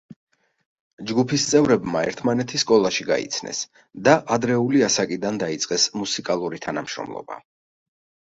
ჯგუფის წევრებმა ერთმანეთი სკოლაში გაიცნეს და ადრეული ასაკიდან დაიწყეს მუსიკალური თანამშრომლობა.